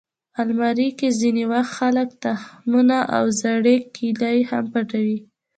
الماري کې ځینې وخت خلک تخمونه او زړې کیلې هم پټوي